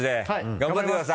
頑張ってください！